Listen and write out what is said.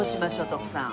徳さん。